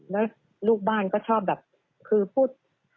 แล้วลูกบ้านก็ชอบแบบคือพูด